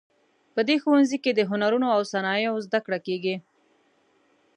په دې ښوونځي کې د هنرونو او صنایعو زده کړه کیږي